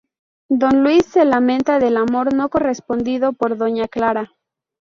Don Luis se lamenta del amor no correspondido por doña Clara.